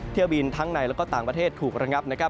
เที่ยวบินทั้งในและต่างประเทศถูกระงับนะครับ